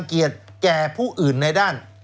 แล้วเขาก็ใช้วิธีการเหมือนกับในการ์ตูน